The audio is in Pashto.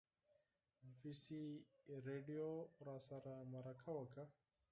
بي بي سي راډیو راسره مرکه وکړه.